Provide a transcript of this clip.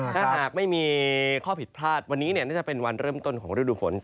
ถ้าหากไม่มีข้อผิดพลาดวันนี้น่าจะเป็นวันเริ่มต้นของฤดูฝน